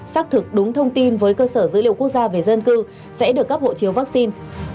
xác thực đúng thông tin với cơ sở dữ liệu quốc gia về dân cư sẽ được cấp hộ chiếu vaccine